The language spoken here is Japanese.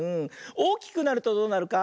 おおきくなるとどうなるか。